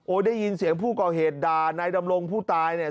ได้ยินเสียงผู้ก่อเหตุด่านายดำรงผู้ตายเนี่ย